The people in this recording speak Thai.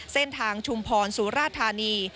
เส้นทางชุมพรสุราธารณี